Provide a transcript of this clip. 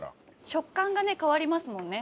食感がね変わりますもんね。